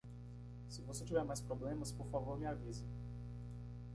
Se você tiver mais problemas?, por favor me avise.